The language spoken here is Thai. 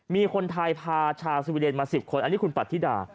มีคนถ่ายพาชาวสวิวเงียนมา๑๐คนอันนี้คุณปรัชน์ธิดา